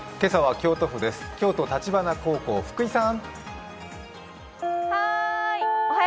京都橘高校、福井さん！